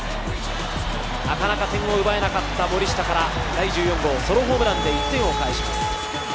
なかなか点を奪えなかった森下から第１４号ソロホームランで１点を返します。